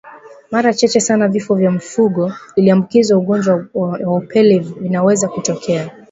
Mara chache sana vifo vya mifugo iliyoambukizwa ugonjwa wa upele vinaweza kutokea